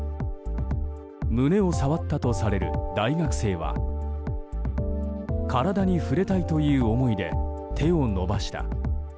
胸を触ったとされる大学生は体に触れたいという思いで手を伸ばした。